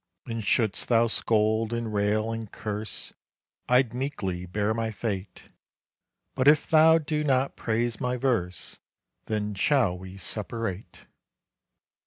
And should'st thou scold, and rail and curse, I'd meekly bear my fate; But if thou do not praise my verse, Then shall we separate.